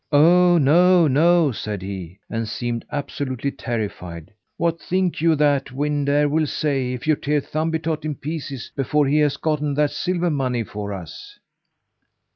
"Oh, no, no!" said he, and seemed absolutely terrified. "What think you that Wind Air will say if you tear Thumbietot in pieces before he has gotten that silver money for us?"